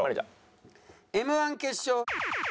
「Ｍ−１決勝」